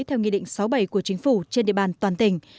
theo nghị định sáu bảy của chính phủ trên địa bàn toàn tỉnh